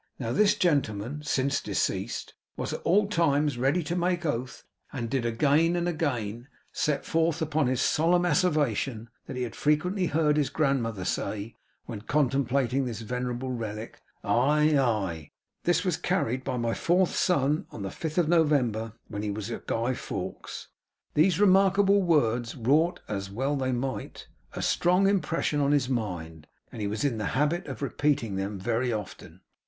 Now this gentleman, since deceased, was at all times ready to make oath, and did again and again set forth upon his solemn asseveration, that he had frequently heard his grandmother say, when contemplating this venerable relic, 'Aye, aye! This was carried by my fourth son on the fifth of November, when he was a Guy Fawkes.' These remarkable words wrought (as well they might) a strong impression on his mind, and he was in the habit of repeating them very often.